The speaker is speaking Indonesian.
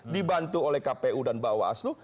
dibantu oleh kpu dan bawaslu